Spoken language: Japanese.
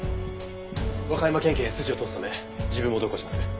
和歌山県警へ筋を通すため自分も同行します。